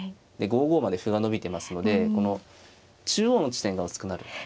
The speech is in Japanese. で５五まで歩が伸びてますのでこの中央の地点が薄くなる。